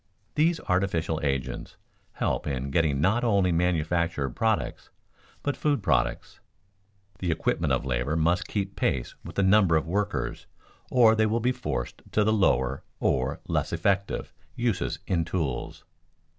These artificial agents help in getting not only manufactured products, but food products. The equipment of labor must keep pace with the number of workers or they will be forced to the lower, or less effective, uses in the tools.